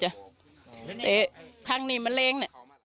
เจ๊ข้างนี้มันเล้งน่ะ